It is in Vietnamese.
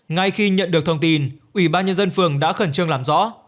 ngay khi nhận được thông tin ủy ban nhân dân phường đã khẩn trương làm rõ